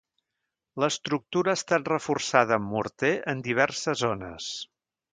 L'estructura ha estat reforçada amb morter en diverses zones.